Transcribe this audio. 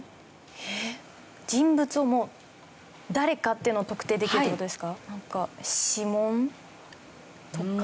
えっ人物をもう誰かっていうのを特定できるって事ですか？